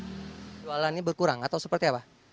jualannya berkurang atau seperti apa